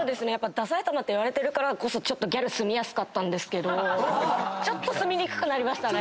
ダサいたまって言われてるからこそギャル住みやすかったんですけどちょっと住みにくくなりました。